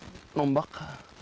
gara gara tadi nombak